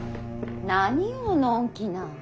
何をのんきな。